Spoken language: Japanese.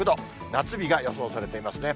夏日が予想されていますね。